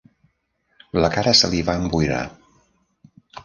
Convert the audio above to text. La cara se li va emboirar.